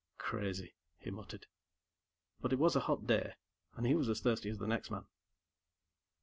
"Crazy," he muttered. But it was a hot day, and he was as thirsty as the next man.